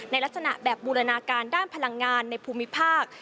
ลักษณะแบบบูรณาการด้านพลังงานในภูมิภาค